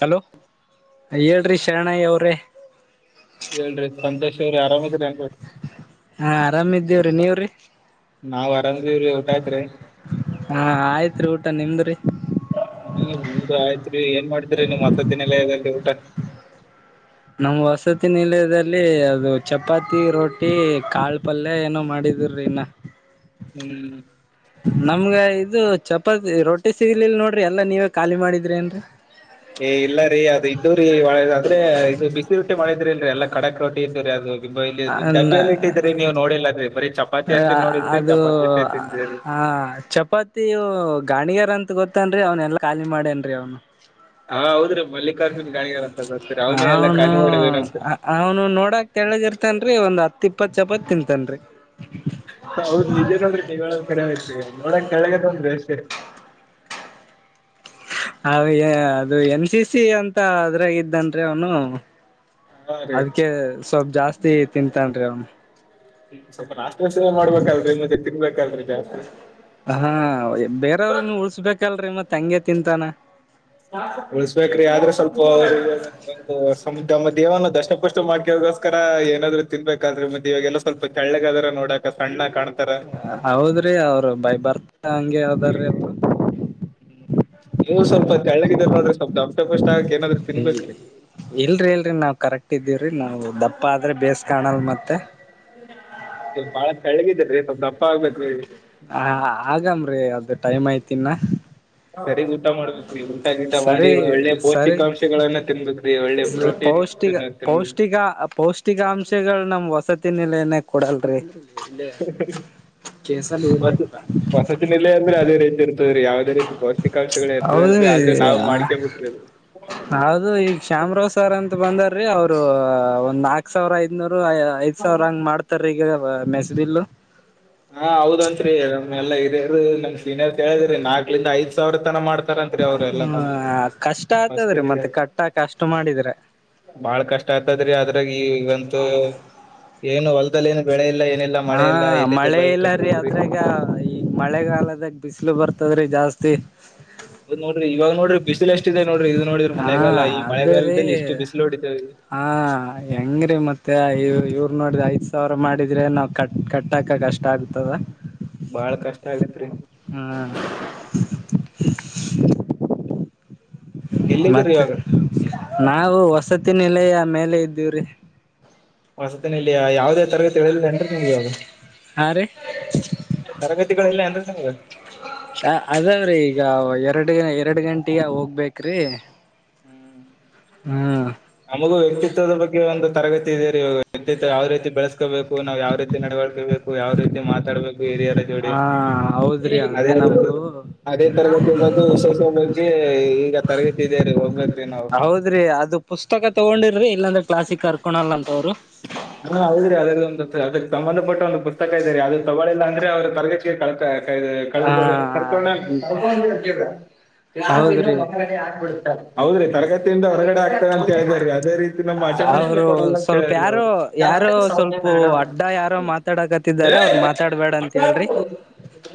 Hello ಹೇಳ್ರಿ ಶರಣಯ್ಯ ಅವ್ರೇ ಹೇಳ್ರಿ ಸಂತೇಶ್ ಅವ್ರರಿ ಆರಾಮಿದ್ರ್ರೇನ್ರಿ ಹಾ ಆರಾಮಿದ್ದೀವ್ರಿ ನೀವ್ರಿ ನಾವ್ ಅರಾಮಿದಿವ್ರಿ ಊಟಾಯತ್ರಿ ಹಾ ಆಯ್ತ್ರಿ ಊಟ ನಿಮ್ದ್ರಿ. ಹ್ಮ ನಮ್ದು ಆಯ್ತ್ರಿ ಏನ್ ಮಾಡತ್ರಿ ನಿಮ್ ವಸತಿ ನಿಲಯದಲ್ಲಿ ಊಟ. ನಮ್ಮ್ ವಸತಿ ನಿಲಯದಲ್ಲಿ ಅದು ಚಪಾತಿ ರೋಟಿ ಕಾಳ ಪಲ್ಯ ಏನೋ ಮಾಡಿದ ದರಿ ಇನ್ನ. ಹ್ಮ್ ನಮ್ಗ ಇದು ಚಪಾತಿ ರೊಟ್ಟಿ ಸಿಗ್ಲಿಲ್ಲ ನೋಡ್ರಿ ಎಲ್ಲಾ ನೀವೇ ಖಾಲಿ ಮಾಡಿದ್ರಿ ಏನ್ರಿ. ಏ ಇಲ್ಲ ರೀ ಅದು ಇದ್ದು ರೀ ಆದ್ರೆ ಇದು ಬಿಸಿ ರೊಟ್ಟಿ ಮಾಡಿದ್ರಿ ಇಲ್ರಿ ಎಲ್ಲಾ ಕಡಕ್ ರೊಟ್ಟಿ ಇದ್ದುರಿ ಎಲ್ಲಾ ಇಬ್ಬ ಇಲ್ಲಿ ಇದ್ದೂರಿ ಡಬ್ಬಿ ಅಲ್ಲಿ ಇಟ್ಟಿದ್ರೀ ನೀವು ನೋಡಿಲ್ಲ್ರೀ ಬರಿ ಚಪಾತಿ ಅಷ್ಟೇ ನೋಡಿದ್ರಿ ಚಪಾತಿ ಅಷ್ಟೇ ತಿಂದಿರಿ. ಹಾ ಚಪಾತಿಯೊ ಗಾಣಿಗೆರ ಅಂತ ಗೊತ್ತೇನ್ರರಿ ಅವ್ನ್ ಎಲ್ಲಾ ಖಾಲಿ ಮಾಡೇನ್ರರಿ ಅವ್ನು. ಹಾ ಹೌದ್ರೀ ಮಲ್ಲಿಕಾರ್ಜುನ್ ಗಾಣಿಗೆರ್ ಅಂತರ್ತೀ ಅವ್ನೇ ಎಲ್ಲ ಕಾಲಿ ಮಾಡಿದನಂತ್ರಿ. ಅವ್ನು ನೋಡಾಕ್ ತೆಳ್ಳಗ ಇರ್ತನ್ರರಿ ಒಂದ್ ಹತ್ ಇಪ್ಪತ್ ಚಪತ್ ತಿಂತನ್ರಿ. ಹೌದ್ ನಿಜ ನೋಡ್ರಿ ನೀವ್ ಹೇಳದ ಕರೆ ಆಯ್ತ್ರಿ ನೋಡಕ್ ತೆಳ್ಳಗ ಅದಾನ್ರಿ ಅಷ್ಟೇ. ಹ ವೆ ಅದು ಏಮ್ ಸಿ ಸಿ ಅಂತ ಅದ್ರಾಗ ಇದ್ದಾನ್ರಿ ಅವನು. ಹಾ ರೀ. ಅದ್ಕೆ ಸ್ವಲ್ಪ್ ಜಾಸ್ತಿ ತಿಂತಾನ್ರಿ ಅವ್ನು. ಸ್ವಲ್ಪ ನಾಷ್ಟ [unintelligible] ಮಾಡ್ಬೇಕಲ್ರಿ ಮತ್ತ್ ತಿಗ್ಬೇಕ ಅಲ್ರಿ ಜಾಸ್ತಿ. ಹಾ ಬೇರೆ ಅವ್ರ್ಗುನು ಉಳ್ಸ್ಬೇಕಲ್ರರಿ ಮತ್ ಹಂಗೆ ತಿಂತಾನ. ಉಳ್ಸ್ಬೇಕ್ರಿ ಆದ್ರೆ ಸ್ವಲ್ಪ ಅವರ್ಗ್ [unintelligible] ದೇಹನಾ ದಷ್ಟ ಪುಷ್ಟ ಮಾಡ್ಕಕೋಸ್ಕರ ಏನಾದ್ರು ತಿನ್ಬೇಕಾದ್ರೆ ಮತ್ತೆ ಇವಾಗೆಲ್ಲಾ ಸ್ವಲ್ಪ ತೆಳ್ಳಗಾದ್ರ ನೋಡಾಕ ಸಣ್ಣ ಕಾಣ ಹ ಹೌದ್ರಿ ಅವ್ರ ಬೈ ಬರ್ತಾ ಹಂಗೆ ಅದಾರಿ ನೀವು ಸ್ವಲ್ಪ ತೆಳ್ಳಗ ಇದೀರಿ ನೋಡ್ರಿ ಸ್ವಲ್ಪ ದಪ್ ದಷ್ಟ ಪುಷ್ಟ ಆಗಕ ಎನ ತಿನ್ಬೇಕ್ರೀ ಇಲ್ರಿ ಇಲ್ರಿ ನಾವ ಕರೆಕ್ಟ್ ಇದ್ದೀವ್ರಿ ನಾವು ದಪ್ಪ ಆದ್ರೆ ಬೇಸ್ ಕಾಣಲ್ ಮತ್ತ. ಏ ಬಾಳ ತೆಳ್ಳಗ ಇದ್ದೀರಿ ಸ್ವಲ್ಪ ದಪ್ಪ ಆಗ್ಬೇಕ್ರಿ. ಹಾ ಆಗಮ್ರಿ ಅದ ಟೈಮ್ ಐತಿ ಇನ್ನಾ. ಸರಿಗ ಊಟ ಮಾಡ್ಬೇಕ್ರಿ ಊಟ ಗಿಟ ಮಾಡಿ ಸರಿ ಒಳ್ಳೆ ಸರಿ ಭೌಷ್ಟಿಕಾಂಶಗಳನ್ನ ತಿನ್ಬೇಕ್ರಿ ಒಳ್ಳೆ ಪ್ರೋಟೀನ್ ಪೌಷ್ಟಿಕ ತಿನ್ನ ತಿನ್ಬೇಕ್ರಿ ಪೌಷ್ಟಿಕ ಈಗಾ ಪೌಸ್ ಟಿಕಾ ಅಂಶಗಳ ನಮ್ ವಸತಿ ನಿಲಯನ ಕೊಡಲ್ರಿ ಇಲ್ಲೆ ಕೇಸಲ್ [unintelligible] ವಸತಿನಿಲಯ ಅಂದ್ರ ಅದೆ ರೀತಿ ಇರ್ತಾದ್ರಿ ಯಾವ [unintelligible] ಅದೇ ರೀತಿ ಪೌಷ್ಟಿಕಾಂಶಗಳ ಹೌದು ಇರತದಲ್ರಿ ಆದ್ರೆ ನಾವು ಮಾಡ್ಕಬೇಕ್ರಿ ಅದು. ಹೌದು ಈಗ ಶಾಮರಾವ್ ಸರ್ ಅಂತ ಬಂದಾರೀ ಅವ್ರು ಒಂದ್ ನಾಕ್ ಸಾವ್ರ ಐದನೂರು [unintelligible] ಐದ್ ಸಾವ್ರ ಹಂಗ್ ಮಾಡ್ತಾರ ಈಗ ಅ ಮೆಸದೀಲ್ಲು ಹಾ ಹೌದಂತ್ರಿ ನಮ್ ಎಲ್ಲ ಹಿರಿಯರ ನಮ್ ಸೀನಿಯರ್ಸ್ ಹೇಳಿದರಿ ನಾಕ್ಲ ಇಂದ ಐದ ಸಾವ್ರ ತನ ಮಾಡ್ತ ಹ ಕಷ್ಟ ಆತದ್ರಿ ಮಸ್ತಿನಾಗ ಮತ್ತ ಕಟ್ಟಾಕ ಅಷ್ಟ ಮಾಡಿದ್ರ ಬಾಳ ಕಷ್ಟ ಆಯತದ್ರಿ ಅದ್ರಾಗ ಈಗಂತೂ ಏನು ಹೊಲದಲ್ಲಿ ಏನು ಬೆಳೆ ಇಲ್ಲ ಏನಿಲ್ಲ ಮಳೆ ಇಲ್ಲ ಎನಿಲ್ ಆದ್ರೆ ಈಗ ಈ ಮಳೆಗಾಲದಾಗ ಬಿಸಿಲು ಬರ್ತದ್ರಿ ಜಾಸ್ತಿ ಹೌದ ನೋಡ್ರಿ ಇವಗ್ ನೋಡ್ರಿ ಬಿಸಲ್ ಏಷ್ಟ ಇದೆ ನೋಡ್ರಿ ಇದು ನೋಡಿದ್ರ ಹಾ ಮಳೆಗಾಲ ಈ ಮಳೆಗಾಲದಲ್ಲಿಷ್ಟ ಬಿಸಿಲ ಹೊಡ್ ಹ ಹೆಂಗ್ರೀ ಮತ್ತೆ ಇವ್ರ ಇವ್ರ ನೋಡಿದ್ರ ಐದ್ ಸಾವ್ರ ಮಾಡಿದ್ರೆ ನಾವ ಕಟ್ ಕಟ್ಟಕ ಕಷ್ಟ ಆಗ್ತದ ಬಾಳ ಕಷ್ಟ ಆಗತ್ರಿ ಹ ಎಲ್ಲಿದ್ರಿ ಮತ್ತೆ ಇವಾಗ ನಾವು ವಸತಿನ ಮೇಲೆ ಇದ್ದೀವ್ರಿ. ವಸತಿನಿಲಯ ಯಾವ ಅದೇ ತರಗತಿ ಹಾ ರೀ ತರಗತಿಗಳು ಇಲ್ಲ ಏನ್ರಿ ನಿಮಗ. ಹ ಅದಾವ್ರೀ ಈಗ ಎರಡು ಎರಡು ಗಂಟೆಗೆ ಹೋಗ್ಬೇಕ್ರಿ ಹ್ಮ್ ಹ್ಮ್ ನಮಗೂ ವ್ಯಕ್ತಿತ್ವದ ಬಗ್ಗೆ ಒಂದು ತರಗತಿ ಇದೆರೀ ವ್ಯಕ್ತಿತ್ವ ಯಾವ ರೀತಿ ಬೆಳೆಸಬೇಕು ಬೇಕು ನಾವು ಯಾವ ರೀತಿ ನಡವಳಿಕೆಬೇಕು ಯಾವ ರೀತಿ ಮಾತಾಡಬೇಕು ಹಿರಿಯ ಜೋಡಿ ಹಾ ಹೌದ್ರಿ ಅದೇ ನಮಗೂ ಅದೇ ತರಗತಿ ವಿಶೇಷ ಬಗ್ಗೆ ಈಗ ತರಗತಿದೇ ರೀ ಹೋಗಬೇಕ್ರಿ ನಾವು. ಹೌದ್ರಿ ಅದು ಪುಸ್ತಕ ತಗೊಂಡಿರ್ರಿ ಇಲ್ಲಂದ್ರೆ ಕ್ಲಾಸಿಕ್ ಕರ್ಕೊಳಲ್ಲ ಅಂತವ್ರ. ಹಾ ಹೌದ್ರೀ ಅದ್ರದೊಂದು ಅದಕ್ಕೆ ಸಂಬಧಟ್ಟ ಒಂದು ಪುಸ್ತಕ ಇದೆ ರೀ ಅದು ತೊಕೊಳಿಲ್ಲ ಅಂದ್ರೆ ಅವ್ರ ತರಗತಿ. ಹ [unintelligible] [unintelligible] ಹೌದ್ರಿ ಹೌದ್ರಿ ತರಗತಿಯಿಂದ ಹೊರಗಡೆ ಆಗ್ತಾರ ಅಂತ ಹೇಳಾರೀ ಅದೇ ರೀತಿ ನಮ್ಮ ಆಚರಣೆ ಅವರು ಸ್ವಲ್ಪ ಯಾರೋ ಯಾರೋ ಸೌಮ್ಯ ಸ್ವಲ್ಪ ಅಡ್ಡ ಯಾರೋ ಮಾತಾಡಕತ್ತಿದ್ದಾರೆ ಮೇಡಮ್ ಅವ್ರು ಮಾತಾಡಬೇಡಂತ. ಹೇಳ್ರಿ.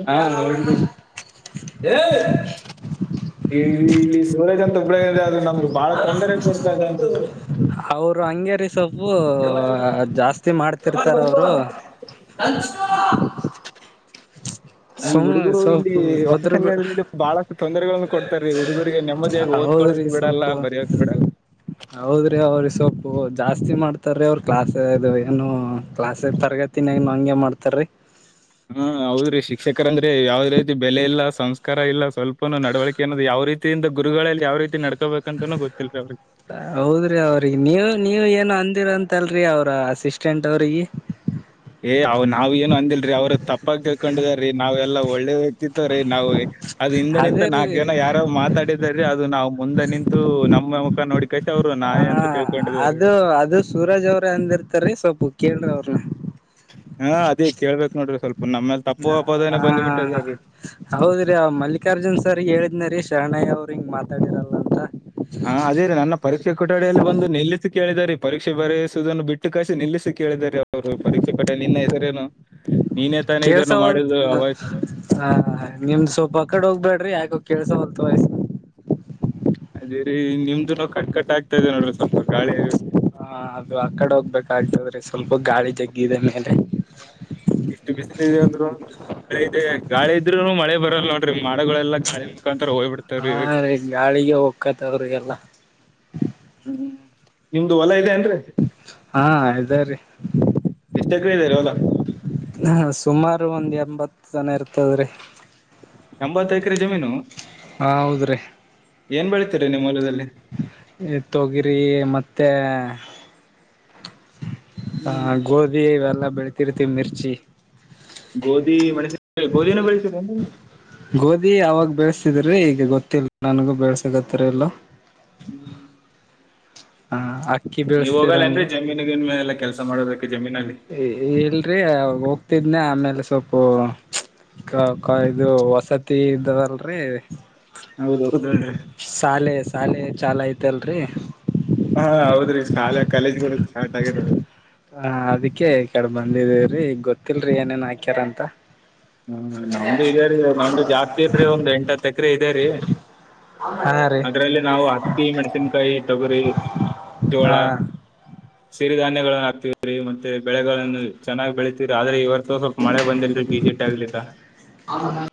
ಹಾ [unintelligible] [unintelligible] ಇ ಇಲ್ಲಿ ಸೂರಜ್ ಅಂತ ಒಬ್ಬಇದೆ ಆದ್ರದು ನಮ್ಗೆ ಬಹಳ ತೊಂದರೆ ಕೊಡ್ತದೆ ಅದು. ಅವರು ಹಂಗೇರಿ ಸೊಪ್ಪು ಜಾಸ್ತಿ ಮಾಡ್ತಿರ್ತಾರ ಅವರು. [inaudible] [inaudible] ಈ ಹುಡುಗರು ಸ್ವಲ್ಪ ಇಲ್ಲಿ ಒದ್ರ ಹೊಸತಿನಿಲಯದಲ್ಲಿ ಬಹಳಷ್ಟು ತೊಂದರೆಗಳನ್ನು ಕೊಡ್ತಾರೀ ಹುಡುಗರಿಗೆ ನೆಮ್ಮದಿಯಾಗಿ ಹೌದ್ರಿ ಓದ್ಕೊಳ್ಳೋಕಕ್ ಸ್ವಲ್ಪ ಬಿಡಲ್ಲ ಬರೀಯೋಕ್ ಬಿಡಲ್ಲ. [inaudible] ಹೌದ್ರಿ ಅವ್ರಿ ಸೊಪು ಜಾಸ್ತಿ ಮಾಡ್ತಾರೀ ಅವ್ರರು ಕ್ಲಾಸ್ ಇದು ಏನು ಕ್ಲಾಸ್ ತರಗತಿ. ದಿನಯಾಗ ನಾ ಹಂಗೆ ಮಾಡ್ತಾರೆ ರೀ. ಹ್ಮ ಹೌದ್ರಿ ಶಿಕ್ಷಕರ ಅಂದ್ರಿ ಯಾವ್ರ. ಬೆಲೆ ಇಲ್ಲ ಸಂಸ್ಕಾರ ಇಲ್ಲ ಸ್ವಲ್ಪನೂ ನಡವಳಿಕೆ ಅನ್ನೋದು ಯಾವ ರೀತಿಯಿಂದ ಗುರುಗಳಲ್ಲಿ ಯಾವ ರೀತಿ ನೆಡ್ಕೊ. ಬೇಕಂತನು ಗೊತ್ತಿರಿ ಅವ್ರಿಗೆ. ಹೌದ್ರಿ ಅವ್ರಿಗೆ ನೀವ ನೀವ ಏನು ಅಂದಿರಂತಲ್ರರಿ ಅವ್ರ ಅಸಿಸ್ಟೆಂಟ್ ಅವ್ರಿಗೆ. ಏ ಅವ್ ನಾವ್ ಏನು ಅಂದಿಲ್ರರಿ ಅವ್ರ ತಪ್ಪಾಗಿ ತಿಳ್ಕೊಂಡಿದಾರೀ ನಾವೆಲ್ಲ ಒಳ್ಳೆ ವ್ಯಕ್ತಿತ್ವ ರೀ ನಾವು. ಅದು ಹಿಂದೆ ನಿಂತು ಅದೇ ನಾ ರೀ ಏನ ಯಾರ ಮಾತಾಡಿದಿದ್ದಾರೆ ಅದು ನಾವು ಮುಂದೆ ನಿಂತು ನಮ್ಮ. ಮುಖನೋಡಿಕೊಂಡು ಅವರು ನಾನೇ ಅಂತ ತಿಳ್ಕೊಂಡಿದಾರೇ ಅವ್ರು. ಸೂರಾಜ್ ಅವ್ರ ಅಂದಿರ್ತಾರೀ ಸ್ವಲ್ಪ ಕೇಳ್ರ ಅವ್ರ. ಹಾ ಅದೇ ಕೇಳ್ಬೇಕಕ್ ನೋಡ್ರಿ ಸ್ವಲ್ಪ ನಮ್ಮ. ಹಾ ಹಾ ಹೌದ್ರಿ ಆ ಮಲ್ಲಿಕಾರ್ಜುನ್ ಸರ್ ಹೇಳಿದ್ನಾರೀ ಶರಣಯ್ಯ ಅವ್ರರು ಹಿಂಗ್ ಮಾತಾಡಿರಲ್ಲ ಅಂತ. ಹಾ ಅದೇ ರೀ ನನ್ನ ಪರೀಕ್ಷೆ ಕೊಠಡಿಯಲ್ಲಿ ಒಂದು ನಿಲ್ಲಿಸಿ ಕೇಳಿದಿದ್ದಾರೆ ಪರೀಕ್ಷೆ ಬರೆಯಸುವುದನ್ನು ಬಿಟ್ಟು ಕಾಸಿ ನಿಲ್ಲಿಸಿ ಕೇಳಿದಿದ್ದಾರೆ ಅವರು. ಪರೀಕ್ಷೆ ಕಟ್ಟೆ ನಿನ್ನ ಹೆಸರೇನು ನೀನೇ ತಾನೇ ಇದನ್ನು ಮಾಡುದು ಅವ್. ಹಾ ನಿಮ್ ಸ್ವಲ್ಪ ಕಡೆ ಹೋಗ್ಬೇಡ್ರಿ ಯಾಕ ಕೇಳಿಸಲ್ಲ ವಾಯ್ಸ್. ಅದೇ ರೀ ನಿಮ್ದು ನಾವು ಕಟ್ ಕಟ್ ಆಗ್ತಾ ಇದೆ ನೋಡ್ರಿ ಸ್ವಲ್ಪ ಗಾಳಿ. ಹಾ ಅದು ಆ ಕಡೆ ಹೋಗ್ಬೇಕಾಗ್ತದ್ರಿ ಸ್ವಲ್ಪ ಗಾಳಿ ಜಗ್ಗಿದೆ ಮೇಲೆ. ಇಷ್ಟು ಬಿಸಿಲು ಇದೆ ಅಂದ್ರು ಇದೆ ಗಾಳಿ ಇದ್ರು ಮಳೆ ಬರಲ್ಲ ನೋಡಿ ಮೋಡಗಳೆಲ್ಲ ಗಾಳಿ ಮುಖಾಂತರ ಹೋಗ್ ಬಿಡ್ತಾವ್ರೀ. ಹಾ ರೀ ಗಾಳಿಗೆ ಹೋಗಕ್ಕತವ್ರಿಎಲ್ಲಾ ಹ್ಮ್, ನಿಮ್ದು ಹೊಲ ಇದೆ ಏನ್ರಿ ಹಾ, ಇದೇ ರೀ ಎಷ್ಟು ಎಕ್ರೆ ಇದೆ ಹೊಲ- ಹಾ, ಸುಮಾರು ಒಂದ್ ಎಂಬತ್ನ ಇರ್ತದ್ರೀ ಎಂಬತ್ತು ಎಕರೆ ಜಮೀನು- ಹೌದ್ರೀ ಏನ್ ಬೆಳೀತೀರಿ ನಿಮ್ಮಹೊಲದಲ್ಲಿ ತೊಗಿರಿ ಮತ್ತಾ ಹ ಹ್ಮ್ ಗೋದಿ ಇವೆಲ್ಲಾ ಬೆಳತಿರ್ತಿವಿ ಮಿರ್ಚಿ ಗೋಧಿ ಮಣಸ ಗೋಧಿನ ಬೆಳೆಸಿದೆ [unintelligible] ಗೋಧಿ ಅವಾಗ ಬೆಳಸ್ತಿದ್ರೀ ಈಗ ಗೊತ್ತಿಲ್ಲ ನನಗೂ ಬೆಳ್ಸಗತ್ತರ ಎಲ್ಲಾ ಹ್ಮ್ [inaudible] ಹಾ, ಅಕ್ಕಿ ನೀವ ಹೋಗಲ್ಲೇನರಿ ಬೆಳಸ್ತಿವ್ರಂಗೆ ಜಮೀನಗ ಎಲ್ಲ ಕೆಲ್ಸ ಮಾಡೋದಕ್ಕೆ ಜಮೀನಲ್ಲಿ. ಇಲ್ರಿ ಹೋಗ್ತಿದ್ನ ಆಮೇಲೆ ಸ್ವಲ್ಪ ಕ ಇದು ವಸತಿ ಇದರಲ್ರಿ ಹೌದು ಹೌದಿ [inaudible] ಶಾಲೆ ಶಾಲೆ ಚಾಲೂ ಐತೆ ಅಲ್ರಿ ಹಾ ಹೌದ್ರಿ ಶಾಲಾ ಕಾಲೇಜ್ ಕೂಡ ಸ್ಟಾರ್ಟ್ ಆಗದ್ರಿ. ಹಾ, ಅದಕ್ಕೆ ಈ ಕಡೆ ಬಂದಿವಲ್ರಿ ಗೊತ್ತಿಲ್ರಿ ಏನೇನ್ ಹಾಕ್ಯಾರಂತ. ಹ್ಮ, ನಮ್ದು ಇದೆರಿ ನಮ್ದು ಜಾಸ್ತಿ ಇಲ್ರಿ ಒಂದ್ ಎಂಟತ್ ಎಕರೆ ಇದೆರಿ. ಹಾ [unintelligible] ರೀ ಅದ್ರಲ್ಲಿ ನಾವು ಅಕ್ಕಿ, ಮೆಣಸಿನ್ಕಾಯಿ, ತೊಗರಿ ಹಾ, ಸಿರಿಧಾನ್ಯಗಳನ್ನು ಹಾಕ್ತಿವ್ರಿ ಮತ್ತೆ ಬೆಳೆಗಳನ್ನು ಚೆನ್ನಾಗಿ ಬೆಳೀತೀವಿರಿ. ಆದ್ರೆ ಇವ ಸ್ವಲ್ಪ ಮಳೆ ಬಂದಿಲ್ರಿ ಆಗಗ್ಲಿಕ್ಕಾ [unintelligible] ಆದ [inaudible]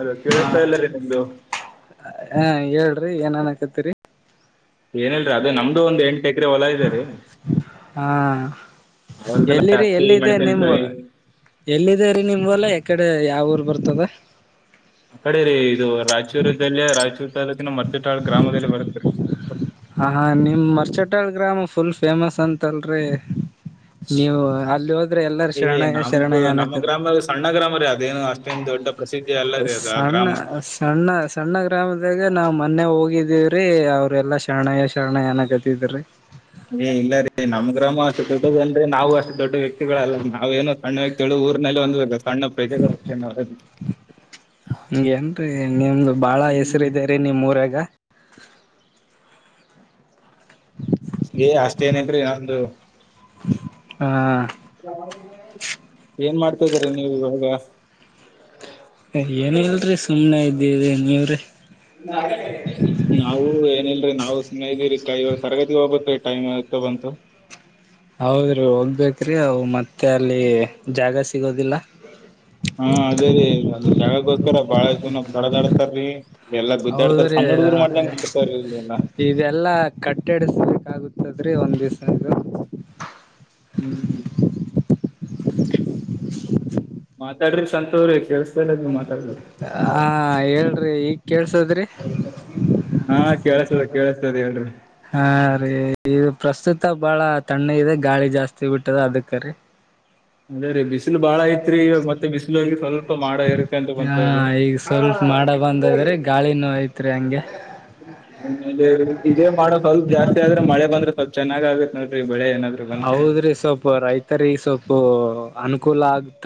ಅದ ಕೇಳಿಸ್ತಾ ಇಲ್ಲ ರೀ ನಿಮ್ದು ಹಾ, ಹೇಳ್ರಿ ಏನನ್ಕತ್ತಿರಿ ಏನಿಲ್ಲಾ ರಿಅದು ನಮ್ದು ಒಂದ್ ಎಂಟ ಎಕರೆ ಹೊಲ ಇದ್ದೆ ರೀ ಹಾ, ಹೊಲದಲ್ಲಿ ಎಲ್ಲಿರಿ ಹತ್ತಿ ಎಲ್ಲಿದೆ ನಿಮ್ ಮೆಣಸಿನಕಾಯಿ ಎಲ್ಲಿದೆೇ ರೀ ನಿಮ್ಲ್ ಹೊಲ ಎಕಡಿ ಯಾವ ಊರ್ ಬರ್ತದ. ಈಕಡೆ ರೀ ಇದು ರಾಯಚೂರಲ್ಲಿ ರಾಯಚೂರು ತಾಲ್ಲೂಕಿನ ಮರ್ಚಟಾಳ್ ಗ್ರಾಮದಲ್ಲಿ ಬರುತ್ತ ರಿ. ಹ ಹಾ, ನಿಮ್ ಮರ್ಚಟಾಳ್ ಗ್ರಾಮ ಫುಲ್ ಫೇಮಸ್ ಅಂತಲ್ರಿ ನೀವು ಅಲ್ಲಿ ಹೋದ್ರೆ ಎಲ್ಲಾರ ಏ ಶರಣಯ್ಯ ನಮ್ದು ಶರಣಯ ನಮ್ಮ ಅನಕತ್ ಗ್ರಾಮ ಸಣ್ಣ ಗ್ರಾಮ ರೀ ಅದೇನು ಅಷ್ಟೇನ್ ದೊಡ್ಡ ಪ್ರಸಿದ್ಧಿ ಅಲ್ಲ ರೀ ಅದು ಆ ಸಣ್ಣ ಗ್ರಾಮ [unintelligible] ಸಣ್ಣ ಸಣ್ಣ ಗ್ರಾಮದಾಗ ನಾವು ಮೊನ್ನೆ ಹೋಗಿದ್ದೀವ್ರೀ ಅವ್ರೆಲ್ಲ ಶರಣಯ್ಯ ಶರಣಯ್ಯ ಅನಾಕತ್ತಿದ್ ರೀ ಏಯ್ ಇಲ್ಲ ರೀ ನಮ್ಮ ಗ್ರಾಮ ಅಷ್ಟ ದೊಡ್ಡದ ಅಲ್ಲಿ. ಅಂದ್ರೆ ನಾವು ಅಷ್ಟು ದೊಡ್ಡ ವ್ಯಕ್ತಿಗಳಲ್ಲ ನಾವ್ ಏನು ಸಣ್ಣತೇಳಳು ಊರ್ನಲ್ಲ ಒಂದ್ಬೇಕ ಸಣ್ಣ ಪ್ರಜ [unintelligible] ಹಂಗೆಂರಿ ನಿಮ್ದು ಬಾಳ ಹ್ಮ್ ಹೆಸರು ಇದೇರಿ ನಿಮ್ ಊರಾಗ. ಏಯ್ ಅಷ್ಟೇ ಏನೇಲ್ರಿ ನಂದು ಹ್ [inaudible] ಏನ್ ಮಾಡ್ತಾದಿರಾ ನೀವು ಇವಾಗ. ಏನ ಇಲ್ಲಡ್ರಿ ಸುಮ್ಮ್ನೆ ಇದ್ದೇರಿ ನೀವರಿ. ನಾವು ಏನಿಲಡ್ರಿ ನಾವು ಸುಮ್ಮೆ ಇದೀವಿರಿ ಇವಾಗ ತರಗತಿ ಹೋಗ್ಬೇಕೀ ಟೈಮ್ ಆಗತ ಬಂತು. ಹೌದ್ರಿ ಹೋಗ್ಬೇಕ್ರಿ ಅವು ಮತ್ತೆ ಅಲ್ಲಿ ಜಾಗ ಸಿಗೋದಿಲ್ಲಾ. ಹಾ ಅದೇ ರೀ ಜಾಗಗೋಸ್ಕರ ಬಾಳ ಇದುನ್ನ ಬಡದಾಆಡ್ತಾರೀ. ಹೌದ್ರೀ ಅ ಮಾಡ್ತಾರ ಇಲ್ಲೆಲ್ಲಾ ಇ ಇದೆಲ್ಲಾ. ಕಟ್ಟೆಡಸ್ಬೇಕಾಗುತ್ತದ್ರ ಒಂದ್ ದಿವ್ಸದು. ಹು ಹು ಮಾತಾಡ್ರಿ ಸಂತುವ್ರಿ ಕೇಳಸ್ತಾ ಇಲ್ಲಾ ನೀವು ಮಾತಾಡ. ಆ ಹೇಳ್ರಿ ಈಗ್ ಕೇಳ್ಸದ್ರಿ. ಹಾ ಕೇಳಸ್ತದ ಕೇಳಸ್ತದ ಹೇಳ್ರಿ. ಹಾ ರೀ ಇ ಪ್ರಸ್ತುತ ಬಾಳ ತಣ್ಣಗಿದೆ ಗಾಳಿ ಜಾಸ್ತಿ ಬಿಟ್ಟದ ಅದಕ್ಕ ರೀ. ಅದ ರೀ ಬಿಸಿಲು ಬಾಳ ಆಯತ. ಅದ ರಿ ಮತ್ತೆ ಬಿಸಿಲೊಗಿ ಸ್ವಲ್ಪ ಮಾಡ ಎರುಕಂತ ಬಂತದೆ ಹಾ. ದ್ರೆ ಗಾಳಿನು ನೋಯತ. ತ್ರಿ ಹಂಗೆ. ಇದೇ ಇದೆ ಮಾಡೋ ಸ್ವಲ್ಪ್ ಜಾಸ್ತಿ ಆದ್ರೆ ಮಳೆ ಬಂದ್ರೆ ಸ್ವಲ್ಪ್ ಚೆನ್ನಾಗತ್ತ ನೋಡ್ರಿ ಬೆಳೆ ಏನಾದೂ. ಹೌದ್ರಿ ಸ್ವಪ್ಪ ರೈತರಿಗೆ ಸ್ವಪ್ಪು ಅನುಕೂಲ ಆಗ್ತ.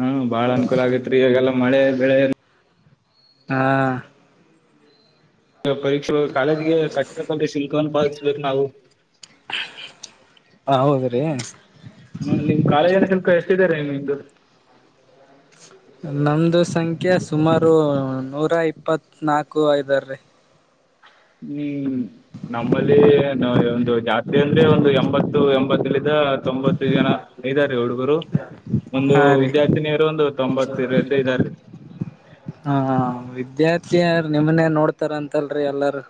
ಹ ಬಾಳ ಅನುಕೂಲ ಆಗೈತ್ರಿ ಈಗೆಲ್ಲಾ ಮಳೆ ಬೆಳೆ. ಹಾ ಪರೀಕ್ಷೆ ಕಾಲೇಜಿಗೆ ಕಟ್ಟಕೊಂಡ ಸಿಲ್ಕನ್ ಬಳಸ್ಬೇಕು ನಾವು. ಹ ಹೌದ್ರೀ ಹ ನಿಮ್ಮ ಕಾಲೇಜಲ್ಲಿ ಶುಲ್ಕ ಎಸ್ಟಿದೆರಿ ನಿಮ್ಮದು. ನಮ್ಮದು ಸಂಖ್ಯೆ ಸುಮಾರು ನೂರಾ ಇಪ್ಪತ್ತ್ನಾಲ್ಕು ಐದಾರ ರೀ. ಹು ನಮ್ಮಲ್ಲಿ ಒಂದು ಜಾತಿ ಅಂದ್ರೆ ಒಂದು ಎಂಬತ್ತು ಎಂಬತ್ತಲಿಂದ ತೊಂಬತ್ತು ಜನಾ. ಇದಾರ್ರಿ ಹುಡುಗರು ಒಂದು ಹಾ ರೀ ವಿದ್ಯಾರ್ಥಿನಿಯರು ಒಂದು ತೊಂಬತ್ತ ಇರ ಇದ್ದಾರ್ರೀ. ಹಾ ವಿದ್ಯಾರ್ಥಿಯರ ನಿಮ್ಮನ್ನೇ ನೋಡ್ತಾರ ಅಂತಲ್ರಿ ಎಲ್ಲಾರು.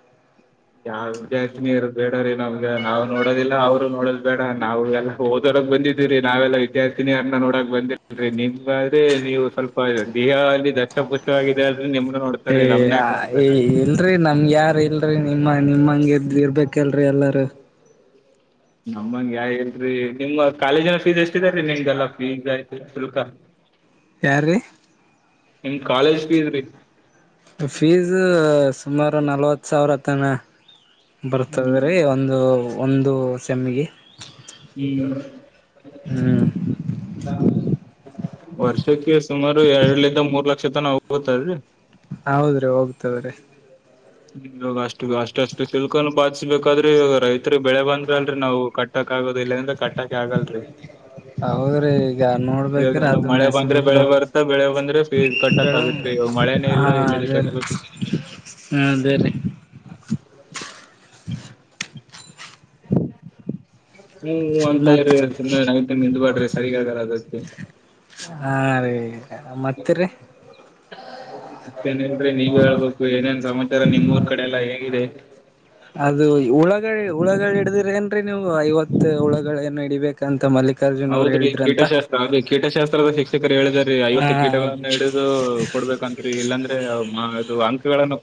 ಯಾವ ವಿದ್ಯಾರ್ಥಿನಿಯರು ಬೇಡಾ ರಿ ನಮಗೆ ನಾವು ನೋಡೋದಿಲ್ಲ ಅವುರು ನೋಡ. ಬೇಡಾ ನಾವು ಎಲ್ಲ ಓದೋದಕ್ಕ ಬಂದಿದೀವರಿ ನಾವೆಲ್ಲ ವಿದ್ಯಾರ್ಥಿನಿ ಅನ್ನ ನೋಡಕ್ ಬಂದಿರ್ದಿಲಿ ನಿಮಗಡೆ ನೀವು ಸ್ವಲ್ಪ. ಬೈ ಬಿಹಾದಲ್ಲಿ ಲ್ಯಾಪ್ಟಾಪ ವಚ್ಚವಾಗಿದೆ ಅದು ನಿಮ್ಮದ ನೋಡ್ರಿ. ಹೆ ಆ ಹೆ ಇಲ್ಲ. ಡ್ರಿ ನಮಗ ಯಾರ ಇಲ್ರಿ ನಿಮ್ಮ ನಿಮಮ್ಮ ಹಂಗ ಇದ್ರ ಇರ್ಬೇಕಲ್ರರಿ ಎಲ್ಲಾರು. ನಮ್ಮಂಗ ಯಾರ ಇಲ್ಲಡ್ರಿ ನಿಮ್ಮ ಕಾಲೇಜಿನ ಫೀಸ್ ಎಷ್ಟದೆ ರೀ ನಿಮಗೆಲ್ಲ ಫೀಸ್ ಆಯ್ತ ಶುಲ್ಕ. ಅ ನಿಮ್ಮ ಕಾಲೇಜ್ ಫೀಸ್ ರೀ. ಫೀಸ್ ಸುಮಾರು ನಲ್ವತ್ತು ಸಾವಿರ ತಾನಾ. ಬರ್ತದ ಹ್ಮ್ ರೀ ಒಂದು ಒಂದು ಸೆಮ್ಮಿಗೆ. ಹ್ಮ್ ಹು ವರ್ಷಕ್ಕೆ ಸುಮಾರು ಎರಡಲಿಂದ ಮೂರ್ ಲಕ್ಷ ತನ ಹೋಗತದ್ರೀ. ಹೌದ್ರಿ ಹೋಗ್ತಇದಾರೆ. ಇವಾಗ ಅಷ್ಟು ಅಷ್ಟ ಅಷ್ಟು ಸಿಲ್ಕನ್ನು ಬಾದ್ಬೇಕಾದ್ರೆ ರೈತರಿ ಬೆಳೆ ಬಂದ್ರ ಅಲ್ರೀ ನಾವು ಕಟ್ಟ. ಕಟ್ಟಕ್ ಆಗೋದು ಇಲ್ಲದಂದ ಕಟ್ಟಾಕ ಆಗಲರಿ. ಹೌದ್ರೀ ಹೇಳಡ್ರಿ ಮಳೆ ಬಂದ್ರೆ ಬೆಳೆ ಬರ್ತ್ತಾ ಬೆಳೆ ಬಂದ್ರೆ ಫೀ ಕಟ್ಟಕ್ ಬೆಳ ಆಗತ್ರಿ ಇವಾಗ ಮಳೆನೇ ಇಲ್ಲ ಅದೇ ಕಟ್ಟ. ರೀ [unintelligible] ಹಾ ಅದೇ ರೀ. ಹ್ಮ್ ಹ್ಮ್ ಅಂತ ಮತ್ ಇರಿ ಸುಮ್ನೆ [unintelligible] ಬಾಡ್ರಿ ಸರಿಗಾಗಲ್ಲ ಅದಕ್ಕೆ. ಹಾ ರೀ ಮತ್ತರಿ. ಮತ್ತೇನಿಲ್ಲ್ರಿ ನೀವ ಹೇಳ್ಬೇಕು ಏನೇನ್ ಸಮಾಚಾರ ನಿಮ್ಮ್ ಊರ್ ಕಡೆ ಎಲ್ಲಾ ಹೇಗಿದೆ? ಅದು ಹುಳಗಳ ಹುಳಗಳು ಹಿಡಿದಿರ್ ಏನ್ರೀ ನೀವು ಐವತ್ತು ಹುಳಗಳೇನು ಹ ಹಿಡಿಬೇಕ ಕಾಂತ್ ಮಲ್ಲಿಕ ಹೌದ್ರೀ ಕೀಟಶಾಸ್ತ್ರ ಅಲ್ಲಿ ಕೀಟಶಾಸ್ತ್ರದ ಶಿಕ್ಷಕರು ಹೇಳಿದಾರ್ರೀ ಆ ಐವತ್ತು ಕೀಟಗಳನ್ನ ಹಿಡ ಇದು ಕೊಡ್ಬೇಕಂತ್ರಿ ಇಲ್ಲಾಂದ್ರ ಅದು ಅಂಕಗಳನ್ನು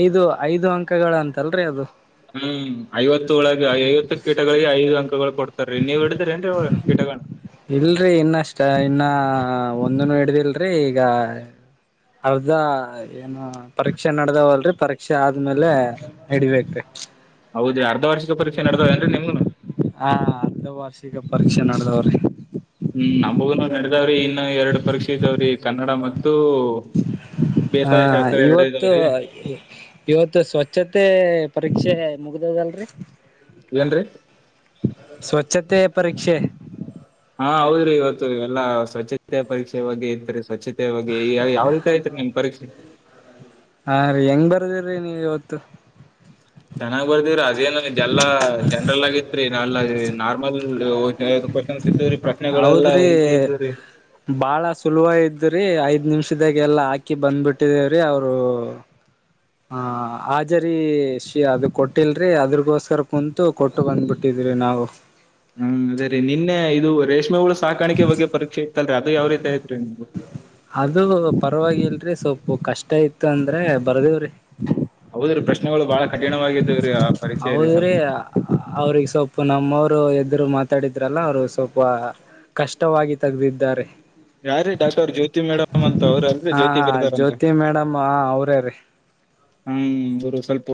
ಐದು ಐದು ಅಂಕಗಳ ಅಂತಲ್ರಿ ಅದು. ಹ್ಮ್ ಐವತ್ತು ಒಳಗೆ ಐವತ್ತು ಕೀಟಗಳಿಗೆ ಐದು ಅಂಕಗಳು ಕೊಡ್ತಾರೀ ನೀವು ಹಿಡಿದ್ರಿ ಏನ್ರಿ ಒಳ ಕೀಟಗಳ? ಇಲ್ರಿ ಇನ್ನಷ್ಟ ಇನ್ನ ಒಂದನು ಹಿಡ್ದಿಲ್ರಿ ಈಗ ಹೌದಾ ಏನು ಪರೀಕ್ಷೆ ನಡದಾವಲ್ರಿ ಪರೀಕ್ಷೆ ಆದ್ಮೇಲೆ ಹಿಡಿಬೇಕ್ರೀ. ಹೌದ ಅರ್ದಾ ವಾರ್ಷಿಕ ಪರೀಕ್ಷೆ ನಾಡದ್ದಾವ್ ಏನ್ರಿ ನಿಮ್ಮುವ್ನೂ. ಹಾ ಹಾ ಅರ್ಧ ವಾರ್ಷಿಕ ಪರೀಕ್ಷೆ ನಡದಾವ್ರಿ. ಹ್ಮ್ ನಮಗೂನು ನಡದಾವ್ರಿ ಇನ್ನ ಎರಡ ಪರೀಕ್ಷೆ ಇದಾವ್ರಿ ಕನ್ನಡ ಮತ್ತು ಹಾ ಬೇಸಾಯ ಹಾ ಶಾಸ್ತ್ರ ಎರಡು ಇವತ್ತು ಇದಾವ್ರಿ ಇವತ್ತು ಸ್ವಚ್ಛತೆ ಪರೀಕ್ಷೆ ಮುಗ್ದದಲ್ರಿ. ಏನ್ರಿ? ಸ್ವಚ್ಛತೆಯ ಪರೀಕ್ಷೆ. ಹಾ ಹೌದ್ರಿ ಇವತ್ತು ಎಲ್ಲ ಸ್ವಚ್ಛತೆ ಪರೀಕ್ಷೆ ಬಗ್ಗೆ ಇತರಿ ಸ್ವಚ್ಛತೆ ಇವಾಗೆ ಯಾವ್ ಯಾವ ರೀತಿ ಐತ್ರಿ ನಿಮ್ ಪರೀಕ್ಷೆ? ಹಾ ರೀ ಹೆಂಗ್ ಬರ್ದಿರಿ ನೀವ ಇವತ್ತು? ಚೆನ್ನಾಗ್ ಬರ್ದಿವ್ರಿ ಅದೇನದ ಎಲ್ಲಾ ಜನರಲ್ ಆಗಿತ್ರಿ ನಾವಲ್ಲ ನಾರ್ಮಲ್ [unintelligible] ಕೋಶನ್ ಇದ್ದುವ ರೀ ಪ್ರಶ್ನೆಗಳೆಲ್ಲ ಹೌದ್ರಿ ಈಝಿ ಇದ್ದುವ್ರಿ. ಬಾಳ ಸುಲಭ ಇದ್ದುವ್ರಿ ಐದ್ ನಿಮಿಷದಾಗ ಎಲ್ಲಾ ಹಾಕಿ ಬಂದ್ ಬಿಟ್ಟಿದೇವ್ರಿ ಅವರು [unintelligible] ಹಾ ಹಾಜರಿ ಶೀ ಅದು ಕೊಟ್ಟಿಲ್ರಿ ಅದ್ರಗೋಸ್ಕರ ಕುಂತು ಕೊಟ್ಟು ಬಂದ್ಬಿಟ್ಟಿದ್ರಿ ನಾವು. ಹ್ಮ್ ಅದೇ ರೀ ನಿನ್ನೆ ಇದು ರೇಷ್ಮೆ ಹುಳ ಸಾಕಾಣಿಕೆ ಬಗ್ಗೆ ಪರೀಕ್ಷೆ ಇತ್ತಲ್ರಿ ಅದು ಯಾವ ರೀತಿ ಆಯ್ತ್ರಿ? ಅದು ಪರವಾಗಿಲ್ರಿ ಸೊಪ್ಪ ಕಷ್ಟ ಇತ್ತು ಅಂದ್ರೆ ಬರ್ದೀವ್ರಿ. ಹೌದ್ರಿ ಪ್ರಶ್ನೆಗಳು ಬಹಳ ಕಠಣವಾಗಿ ಹೌದ್ರೀ ಅವ್ರಿಗ ಸೊಪ್ಪ ನಮ್ಮವರು ಎದರು ಮಾತಾಡಿದ್ರಲ್ಲ ಅವ್ರು ಸ್ವಲ್ಪ ಕಷ್ಟವಾಗಿ ತೆಗ್ದೀದ್ದಾರೆ. ಯಾರೀ ಡಾಕ್ಟರ್ ಜ್ಯೋತಿ ಮೇಡಮ್ ಅಂತ ಅವ್ರ ಅಲ್ರಿ ಹಾ ಜ್ಯೋತಿ ಬಿರಾದಾರ ಅಂತ್. ಜ್ಯೋತಿ ಮೇಡಮ್ ಅವ್ರೇ ರೀ ಹ್ಮ ಇವ್ರು ಸ್ವಲ್ಪೂ